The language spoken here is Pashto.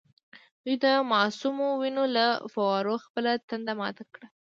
دوی د معصومو وینو له فووارو خپله تنده ماته کړه.